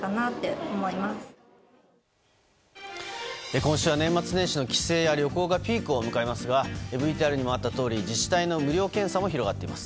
今週は年末年始の帰省や旅行がピークを迎えますがＶＴＲにもあったとおり自治体の無料検査も広がっています。